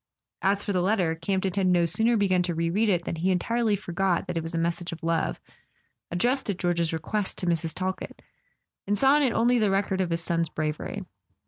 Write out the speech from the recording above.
As for the letter, Campton had no sooner begun to re read it than he entirely forgot that it was a mes¬ sage of love, addressed at George's request to Mrs. Talkett, and saw in it only the record of his son's bravery.